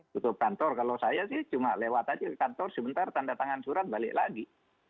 tutup kantor kalau saya sih cuma lewat aja kantor sebentar tanda tangan surat balik lagi